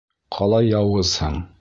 — Ҡалай яуызһың.